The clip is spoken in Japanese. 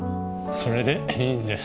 それでいいんです。